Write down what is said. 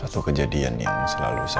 satu kejadian yang selalu saya